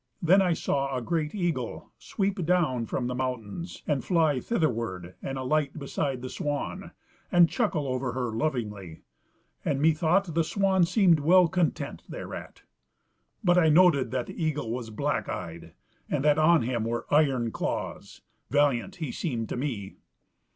Then I saw a great eagle sweep down from the mountains, and fly thitherward and alight beside the swan, and chuckle over her lovingly; and methouht the swan seemed well content thereat; but I noted that the eagle was black eyed, and that on him were iron claws: valiant he seemed to me.